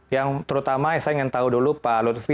yang terutama saya ingin tahu dulu pak lutfi